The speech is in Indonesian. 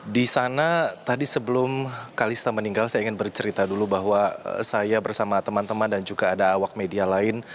di sana tadi sebelum kalista meninggal saya ingin bercerita dulu bahwa saya bersama teman teman dan juga ada awak media lain